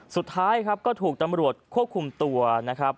สุดท้ายครับก็ถูกตำรวจควบคุมตัวนะครับ